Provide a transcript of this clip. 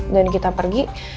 dan kita pergi